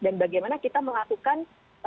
dan bagaimana kita melakukan